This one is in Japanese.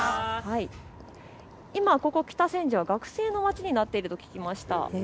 ここ北千住は学生の街になっていると聞きました。